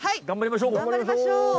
頑張りましょう！